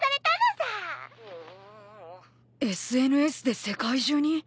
ＳＮＳで世界中に？